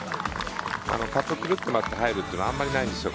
パットクルッと回って入るというのはあまりないんですよ